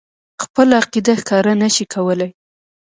خپله عقیده ښکاره نه شي کولای.